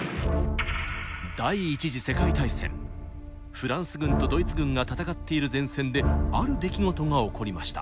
フランス軍とドイツ軍が戦っている前線である出来事が起こりました。